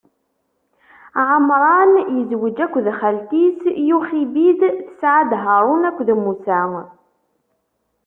Ɛamṛam izweǧ akked xalti-s Yuxibid, tesɛa-as-d: Haṛun akked Musa.